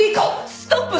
ストップ！